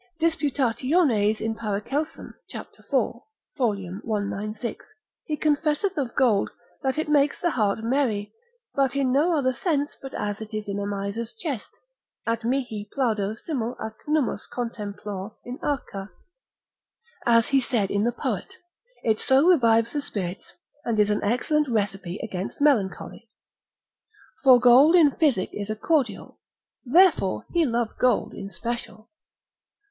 Disput. in Paracelsum. cap. 4. fol. 196. he confesseth of gold, that it makes the heart merry, but in no other sense but as it is in a miser's chest: at mihi plaudo simul ac nummos contemplor in arca, as he said in the poet, it so revives the spirits, and is an excellent recipe against melancholy, For gold in physic is a cordial, Therefore he loved gold in special.